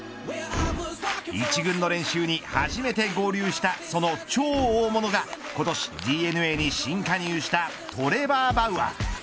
一軍の練習に初めて合流したその超大物が今年、ＤｅＮＡに新加入したトレバー・バウアー。